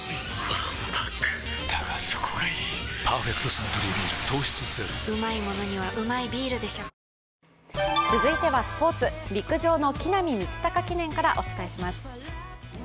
わんぱくだがそこがいい「パーフェクトサントリービール糖質ゼロ」続いてはスポーツ、陸上の木南道孝記念からお伝えします。